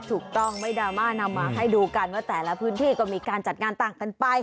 ถูกต้องไม่ดราม่านำมาให้ดูกันว่าแต่ละพื้นที่ก็มีการจัดงานต่างกันไป